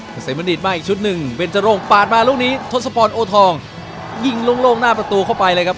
เกษมบัณฑิตมาอีกชุดหนึ่งเบนจรงปาดมาลูกนี้ทศพรโอทองยิงโล่งหน้าประตูเข้าไปเลยครับ